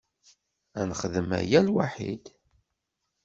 Ad nexdem aya lwaḥid.